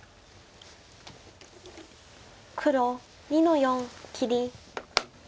黒２の四切り。